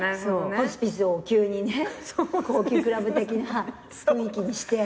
ホスピスを急にね高級クラブ的な雰囲気にして。